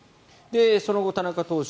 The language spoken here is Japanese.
その後、田中投手